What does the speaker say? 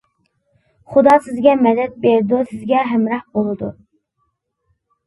خۇدا سىزگە مەدەت بېرىدۇ، سىزگە ھەمراھ بولىدۇ.